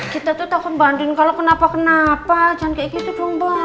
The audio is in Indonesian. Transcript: kita tuh takut banding kalau kenapa kenapa jangan kayak gitu dong bang